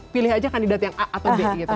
pilih aja kandidat yang a atau b gitu